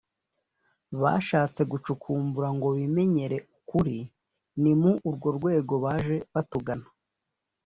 bashatse gucukumbura ngo bimenyere ukuri ni mu urwo rwego baje batugana